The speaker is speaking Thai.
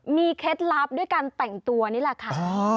มีเคล็ดลับด้วยการแต่งตัวนี่แหละค่ะ